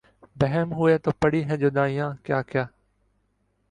بہم ہوئے تو پڑی ہیں جدائیاں کیا کیا